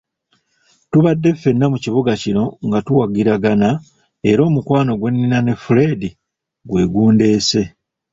Tubadde ffena mu kibuga kino nga tuwagiragana era omukwano gwe nnina ne Fred gwe gundeese.